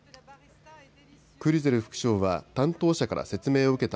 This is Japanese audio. クリュゼル副相は担当者から説明を受けた